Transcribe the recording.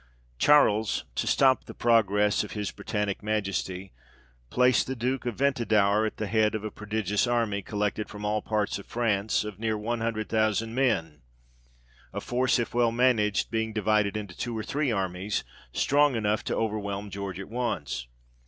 Charles, to stop the progress of his Britannic Majesty, placed the Duke of Ventadour at the head of a pro digious army (collected from all parts of France) of near one hundred thousand men ; a force, if well managed, by being divided into two or three armies, strong enough to overwhelm George at once.